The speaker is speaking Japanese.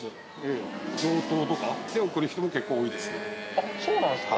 あそうなんですか？